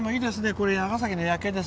これが長崎の夜景です。